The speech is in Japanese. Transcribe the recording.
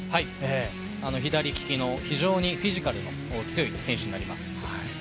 左利きの非常にフィジカルの強い選手になります。